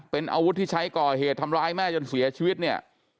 เป็นอาวุธที่ใช้ก่อเหตุทำร้ายแม่จนเสียชีวิตเนี่ย